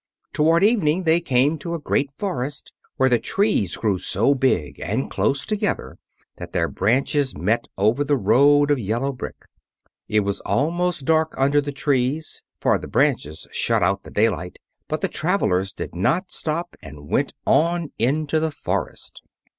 Toward evening they came to a great forest, where the trees grew so big and close together that their branches met over the road of yellow brick. It was almost dark under the trees, for the branches shut out the daylight; but the travelers did not stop, and went on into the forest.